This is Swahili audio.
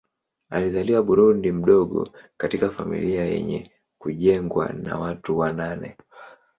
Alizaliwa Burundi mdogo katika familia yenye kujengwa na watu wa nane.